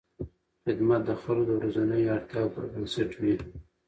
خدمت د خلکو د ورځنیو اړتیاوو پر بنسټ وي.